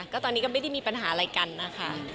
ก็ตอนนี้ก็ไม่ได้มีปัญหาอะไรกันนะคะ